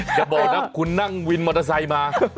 อย่าบอกนะคุณนั่งวินมอเตอร์ไซค์มา